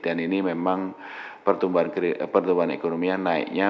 dan ini memang pertumbuhan ekonominya naiknya